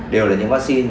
đều là những vaccine